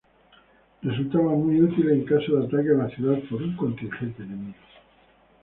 Resultaban muy útiles en caso de ataque a la ciudad por un contingente enemigo.